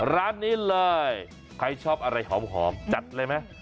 ร้านนี้เลยใครชอบอะไรหอมจัดเลยไหม